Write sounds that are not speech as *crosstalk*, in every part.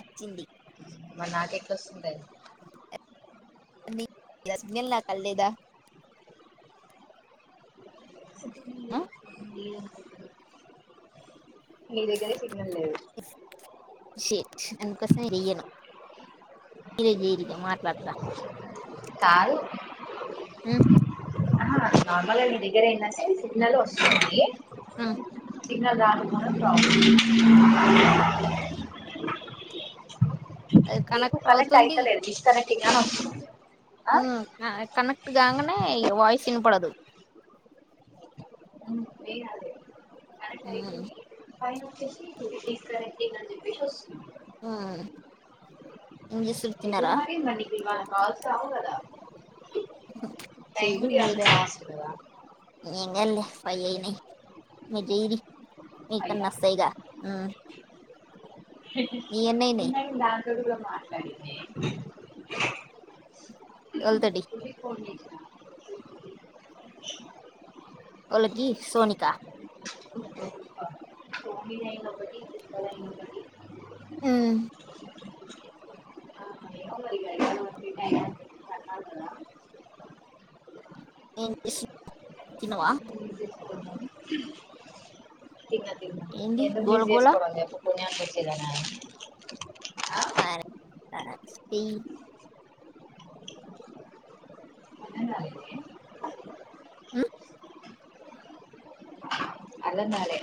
అచ్చింది రస్తుంది సిగ్నల్ నా క లేదా ఈ మీ దగ్గరే సిగ్నల్ లేదు షేట్ ఇరిగి ఇరిగా మాట్లాడతా కాదు నార్మల్గా మీ దగ్గర అయినా సరే సిగ్నల్ వస్తుంది ఉమ్. *unintelligible* అది ఇ కనెక్ట్ అవుతుంది అయితలే డిస్ కనెక్ట్ ఇగా కనెక్ట్ కానే వయిస్ వినపడుదు ఏ *unintelligible* ఆ ప వి ఆ ఎట్లా మార అ కాల్స్ రావు కథ టై చేరి గుడి అసుడద పైయి మజది మీక అయ్యా నస్తాయిగా ఏమి అయయ మాట్లాడి చల్తడి పడి *unintelligible* ఒకలకి సోనికా ఆ ఆ ఆ అ తినవా మిస్ చేసుకుంటాం తిన్నా తిన్నా ఏంది ఎందుకు గోల మిస్ గోల చేసుకోవడం చెప్పు పణనికి వచ్చేదా మార్ తన స్టీ అన్నం రాలేదే ఉ అర్థం కాలే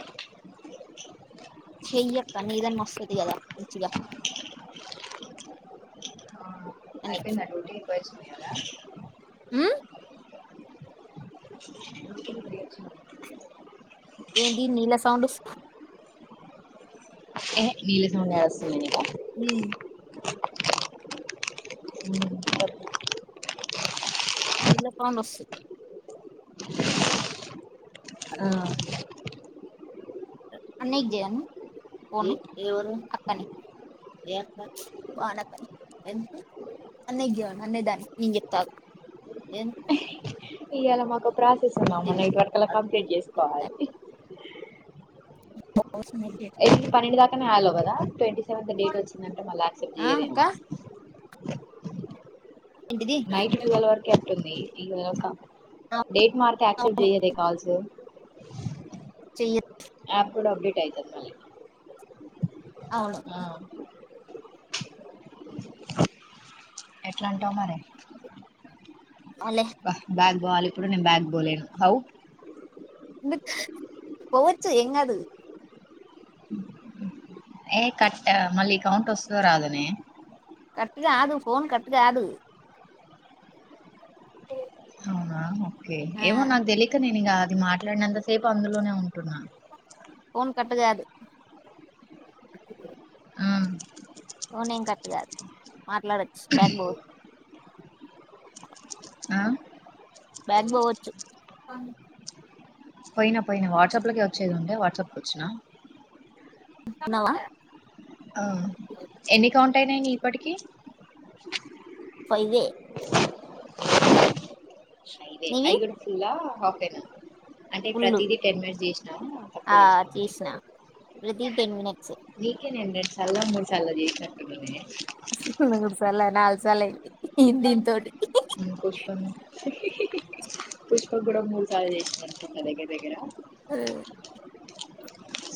చెయ్యక్క నీదని మస్త్ వుంది కదా మంచిగా అని అయిపోయిందా డ్యూటీకి పోయి వచ్చినావు కదా ఊ డ్యూటీకి పోయి వచ్చినాం ఏంటి నీళ్ల సౌండ్ ఏ నీళ సౌండ్ కాదు *unintelligible* తెల్ల పాములు ఒస్తయ్ ఆ అనీకి జరమ పోనీ ఎవరు అక్కనే ఏఅక్క బనకను ఎందుకు అన్నేగ్యో నన్నే దాని నేన్ జెప్త ఆగు ఎందుకు ఇయలా మాకోక ప్రాసెస్ ఉన్నామా నైట్ వర్క్ అలా కంప్లీట్ చేసుకోవాలి ఎ పన్నెండు దాకానే హలో కదా ట్వంటీ సెవెంత్ డేట్ వచ్చిందంటే మళ్ళీ యాక్సెప్ట్ ఆ అక్క చేయదేము ఏంటిది నైట్ టువల్ వరకే అంటున్ది ఈ అక్క డేట్ మార్క్ యాక్సెప్ట్ చేయద కాల్స్ చెయ్య యాప్ కూడా అప్డేట్ టయితది మళ్ళీ అవును ఆ ఎట్లాంటవ్ మరి అవునులే అబ్బ బ్యాగ్ బవాలి ఇప్పుడు నేను బ్యాగ్ బలేను హౌ ఎందుక్ పోవచ్చు ఎంగదు ఏ కట్ట మళ్ళీ కౌంట్ వస్తుంది రాదునే కట్ కాదు ఫోన్ కట్ కాదు పో అవునా ఓకే ఏమో నాకు తెలియక నేను ఇక అది మాట్లాడినంత సేపు అందులోనే ఉంటున్నా ఫన్ కట్ గాదు ఆ నేన్ కటుగాదు మాట్లాడొచ్చు బ్యాక్ బో ఆ బ్యాగ్ పోవచ్చు పోయినా పోయినా వాట్సాప్లకె వచ్చేదుండే వాట్సాప్కి వచ్చిన ఉన్నవా ఆ ఎన్ని కౌంట్ అయినయి నీ ఇప్పటికి ఫైవే అయి దే నీవి అయి కూడా ఫుల్ హాఫైనా అంటే ఫుల్లు ప్రతిీదీ టెన్ మినిట్స్ చేసినాము ఆ తక్కువ చేసినామ. చేసిన ప్రతి టెన్ మినట్స్ అందుకే నేను రెండు సార్లు మూడు సార్లు చేసినటుననే ఇపుడు నాలు సాల నాలుగు సాల అయింది ఇ దీని తోటి ఊ పుష్ప నే పుష్ప కూడా మూడు సార్లు చేసినట్టున దగ్గర దగ్గర ఆ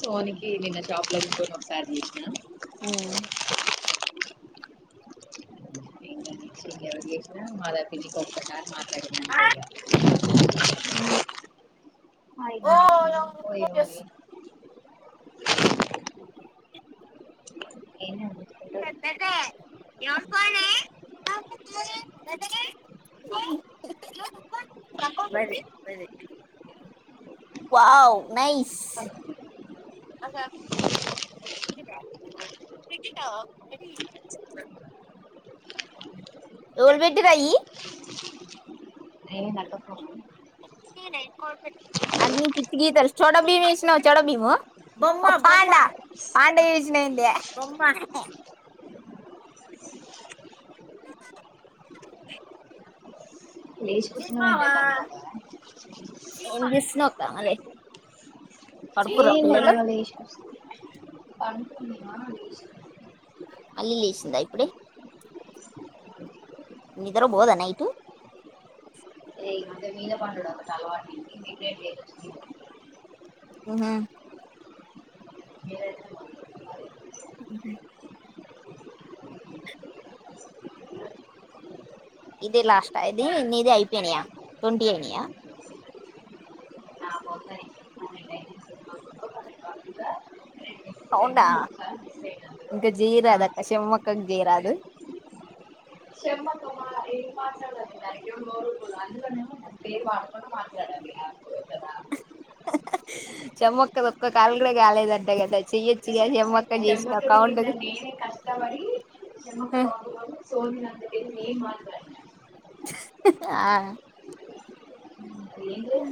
సోనికి నిన్న షాప్ లకు బోను ఒకసారి చేసిన ఆవునే ఇంకా *unintelligible* మాదాపి కొ మాట్లాడిన అంతే ఇగ ఒయ ఓయే ఉ ఎన్నోలే చెద్దతే ఎన్ పోనే రర. Wow nice. ఆ అగ మీ కా ోల్బెడ్టి రాయి. నేన్ని నాటక. అన్ని పిచ్చి గీతాలు చోడ బీము వేసినావు చోడ బీము బొమ్మ పాండ పాండ వేసినా. అ రమ్మా. లేచి కూసున్నవేందే పండుకోక. ఏం చూస్తున్నావ్ కావాలి ఏ పడుకుర్రా లే పిల్లలు ఈగ అల్లీ లేసిందా ఇప్పుడే. నిద్ర బోదా నయిటు. మ మీద పం త అలవాటు. ఉమ్. ఏ ఉ ఇది లాస్ట్ ఇది నీది అయిపోయినాయా ట్వంటీ అయినాయా. నా పొందని పన్నెండు అయితే సినిమాలో పన్నెండు వరకుగా రెండు రెండు అవుడా మూడు సార్లు మిస్ అయినందులో ఇంకా జీరాద అక్క చెమ్మక్కకి జయరాదు. చెమ్మ త. అల్లనేమో మన పేరు మాట్లాడకుండా మాట్లాడాలి. చెమ్మక్క ఒక్క కాలు కూడా కాలేదంట కదా చెయ్యొచ్చుగా చెమ్మక్క. చేసిన డెమక్రటిక్ింద కౌంట్ నేనే కష్టపడి డెమక్ర అు. సోది అంత వెది నేను ఏం మాట్లాడలే. ఆ. అది ఏం లేదు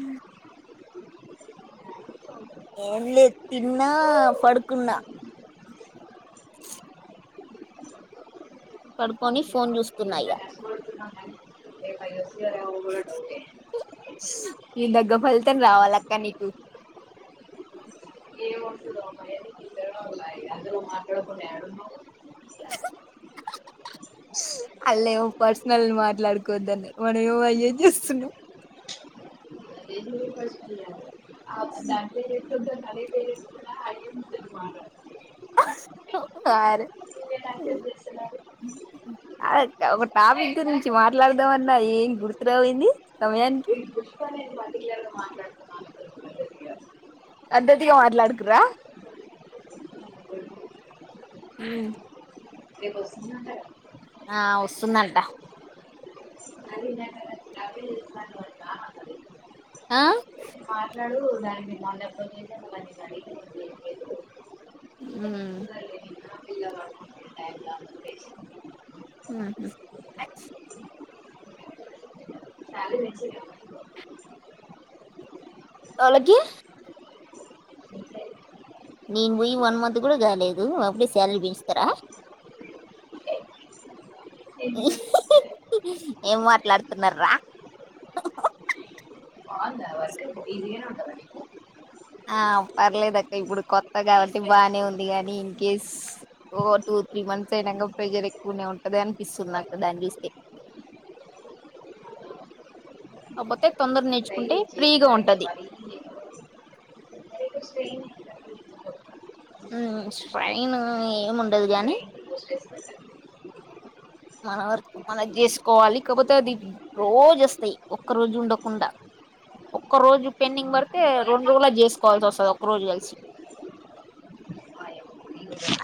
ఏం లేదు తిన్నా పడుకున్నా. పడుకొని ఫోన్ చూసుకున్నా ఇంత ఈగ. కష్టపడుతున్నాం కానీ రేపు అయ్యొచ్చి కూడా డౌటే కు. ఈ దగ్గ ఫలితం రావాలి అక్క నీకు. ఏం నువ్వు మాట్లాడకుండా ఏడున్నావ్. అళ ఏమో పర్సనల్ మాట్లాడుకోద్దని మనం ఏమో అయ్యే చేస్తున్నాం. ే పే అరే హ. గు ఒక టాపిక్ గురించి మాట్లాడదామన్నా ఏం గుర్తు రావేంది. ఈ పుష్ప నను పర్టికులర్ మాట్లాడుతునను. అంతిధగా మాట్లాడుకురా. ఉం రేపు వస్తుందంటగా. ఆ ఉస్తుందంట. అది నాకు అదే చేస్తున్నాను అని కాదు ఆ. మాట్లాడు దానికి అందరు ఫోన్ చేసి ఉం పిల్లవాడు టైం కాదు హ తె. అలాకి. బాగుంది నేను పోయి వన్ మంత్ కూడా కాలేదు అప్పుడే శాలరీ పెంచుతారా ఏం మాట్లాడుతున్న్రా ఆ వర్క్ ఈజీగానే ఉంటుంది ఆ పర్లేదు అక్క ఇప్పుడు కొత్తగాాలటి బానే ఉంది గానీ ఇన్ కేస్ త్రీ మంత్స్ అయినాక ప్రెజర్ ఎక్కువనే ఉంటది అనిపిస్తుంది నాక దాని చూస్తే కాకపోతే తొందర ట్రై నేర్చుకుంటే చేసి ఫ్రీగా ట్రై ఉంటది చేయాలి స్ట్రెయిన్ ఫ్రైన్ ఏముండదు గాని బ్రెయిన్ స్ట్రెస్ మనం మనం చేసుకోవాలి కాకపోతే అది రోజు వస్తాయి ఒక్క రోజు ఉండకుండా ఒక్క రోజు పెండింగ్ పడితే రెండు రోజులా చేసుకోవాల్సి వస్తుంది ఒక రోజు కలిసి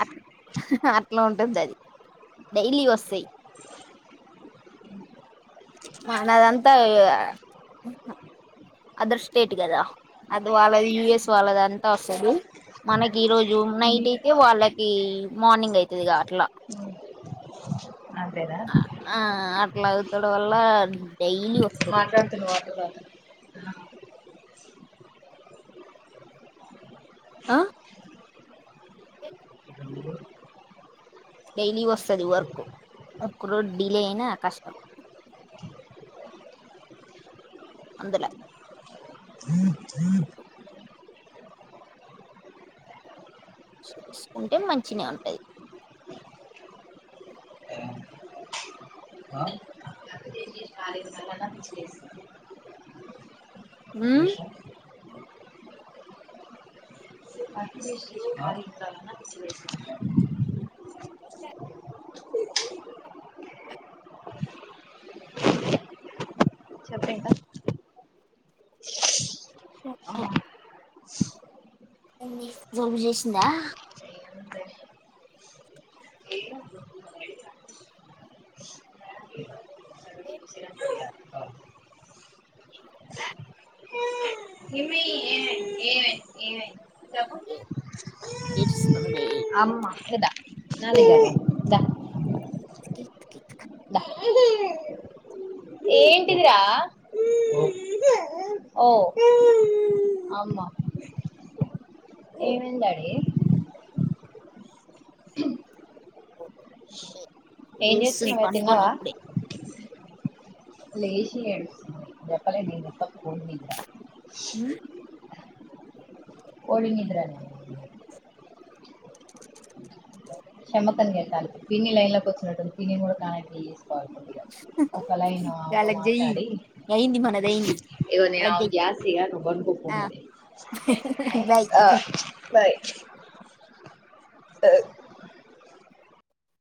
అ అట్లా ఉంటుంది అది డైలీ వస్తాయి మనదంతా అదర్ స్టేట్ కదా అది వాళ్ళది యయుఎస్ వాళ్ళది అంతా వస్తుంది మనకి ఈ రోజు నైట్ మీకు అయితే వాళ్ళకి మార్నింగ్ అవుతుదిగా అట్లా అంతేదా లా అగుతాడు వల్ల డైలీ వస్తది మాటం తను మాటద ఆ డైలీ వస్తుది వర్క్ వర్క్ ఒక రోజు డిలే అయినా కష్టం అందులే చూసుకుంటే మంచిిన ఉంటది చేసి ఖాళీ ఉండాలన్నా పిచ్చి వేస్తాను అ వర్క్ చేసి ఖాళీ ఉండాలన్నా పిచ్చి వేస్తాను అ చెప్పు ఇంకా ఓ జోబు చేసిందా ఏమంటే ఏ ఏమి ఏమే ఏమే ఏమే ఇట్స్ అమ ఇదా నదదా కత్ క ఏంటదరా ఓ అమా ఏమందడి ఏం ఆ చేస్తున్నావే పంకోను అప్పుడే లేషి అస్తుందిప్పాల ననుప్పకుం *unintelligible* మీ *unintelligible* కషమతంకాిిీలైన్ న్ లో కొ వచ్చినందిిినం కూడా కనెక్ట్ చే ఒకళైన్ ఒక వాళ్ళకి చెయ్యి మాట్లాడి అయింది మనది అయింది వాళ్ళకి చెయ్ ఆ బై *unintelligible* ఆ బాయ్ స